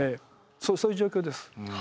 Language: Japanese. そうそういう状況です。